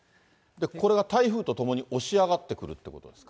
これが台風とともに押し上がってくるってことですか。